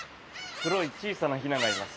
黒い小さなひながいます。